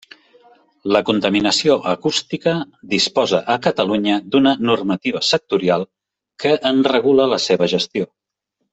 La contaminació acústica disposa a Catalunya d’una normativa sectorial que en regula la seva gestió.